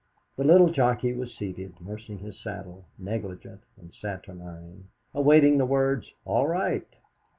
The little jockey was seated, nursing his saddle, negligent and saturnine, awaiting the words "All right."